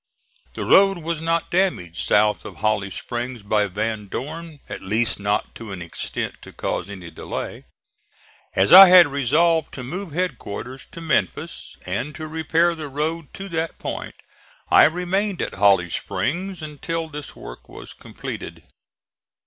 The road was not damaged south of Holly Springs by Van Dorn, at least not to an extent to cause any delay. As I had resolved to move headquarters to Memphis, and to repair the road to that point, I remained at Holly Springs until this work was completed.